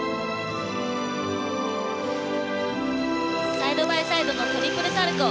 サイドバイサイドのトリプルサルコウ。